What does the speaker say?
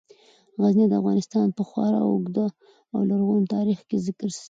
غزني د افغانستان په خورا اوږده او لرغوني تاریخ کې ذکر دی.